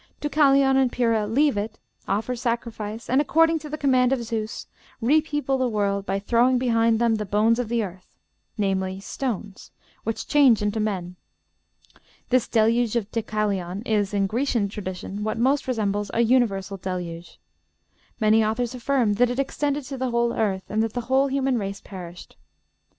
Deucalion and Pyrrha leave it, offer sacrifice, and, according to the command of Zeus, repeople the world by throwing behind them 'the bones of the earth' namely, stones, which change into men. This Deluge of Deucalion is, in Grecian tradition, what most resembles a universal deluge. Many authors affirm that it extended to the whole earth, and that the whole human race perished.